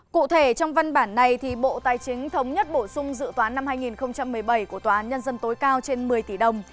cụ thể trong văn bản này thì bộ tài chính thống nhất bổ sung dự tóa năm hai nghìn một mươi bảy của tóa nhân dân tối cao trên một mươi tỷ đồng